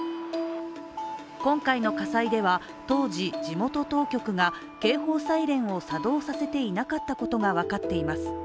今回の火災では、当時地元当局が警報サイレンを作動させていなかったことが分かっています。